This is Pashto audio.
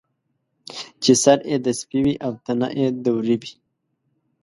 چې سر یې د سپي وي او تنه یې د وري وي.